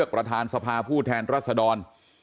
ประธานสภาผู้แทนรัศดร